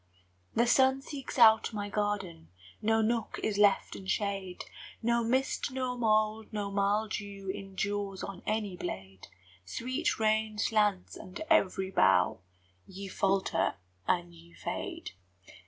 The sun seeks out my garden, No nook is left in shade, No mist nor mould nor mildew Endures on any blade, Sweet rain slants under every bough: Ye falter, and ye fade.